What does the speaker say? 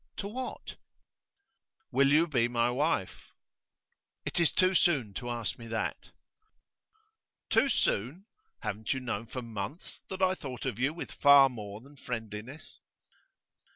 To what?' 'Will you be my wife?' 'It is too soon to ask me that.' 'Too soon? Haven't you known for months that I thought of you with far more than friendliness?